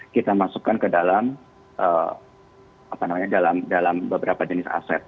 kita masukkan ke dalam beberapa jenis aset